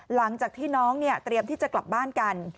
หลังจากที่น้องเนี่ยเตรียมที่จะกลับบ้านกัน